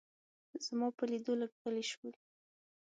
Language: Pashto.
زما په لیدو لږ غلي شول.